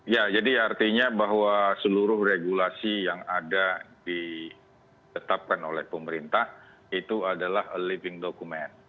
ya jadi artinya bahwa seluruh regulasi yang ada ditetapkan oleh pemerintah itu adalah living document